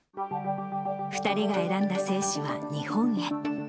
２人が選んだ精子は日本へ。